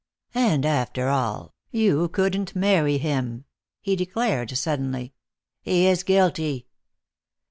"And, after all, you couldn't marry him," he declared suddenly; "he is guilty."